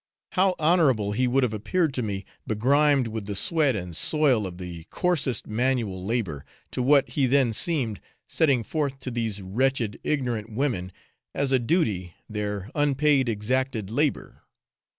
How honorable he would have appeared to me begrimed with the sweat and soil of the coarsest manual labour, to what he then seemed, setting forth to these wretched, ignorant women, as a duty, their unpaid exacted labour!